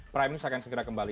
prime news akan segera kembali